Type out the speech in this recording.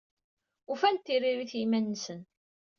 Ufan-d tiririyin i yiman-nsen.